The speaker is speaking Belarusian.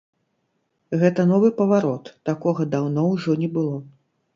Гэта новы паварот, такога даўно ўжо не было.